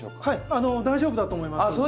はい大丈夫だと思います。